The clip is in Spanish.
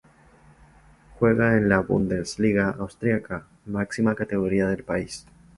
Juega en la Bundesliga austriaca, máxima categoría del país.